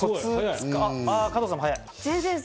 加藤さんも速い。